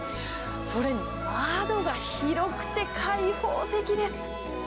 それに窓が広くて開放的です。